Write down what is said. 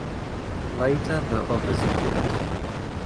Later the others appeared.